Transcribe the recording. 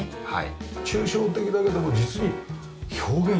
はい。